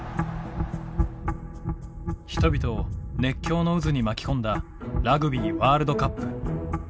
人々を熱狂の渦に巻き込んだラグビーワールドカップ。